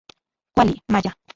Kuali, maya.